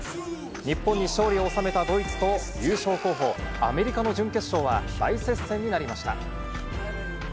日本に勝利を収めたドイツと優勝候補、アメリカの準決勝は、大接戦になりました。